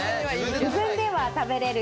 自分では食べれるけど。